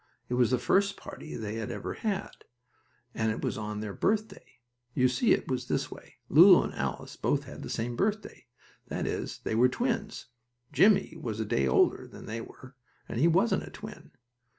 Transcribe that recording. It was the first party they had ever had, and it was on their birthday. You see, it was this way: Lulu and Alice both had the same birthday; that is, they, were twins. Jimmie was a day older than they were, and he wasn't a twin.